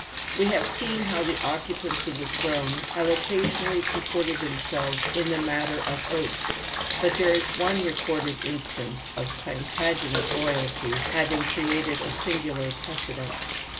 We have seen how the occupants of the throne have usually comported themselves in the matter of oaths, but there is one recorded instance of Plantagenet royalty having created a singular precedent.